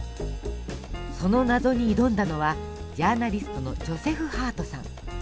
その謎に挑んだのはジャーナリストのジョセフ・ハートさん。